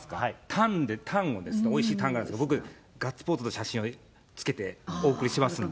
タンで、タン、おいしいタンがあるんですけど、僕、ガッツポーズの写真を付けて、お送りしますんで。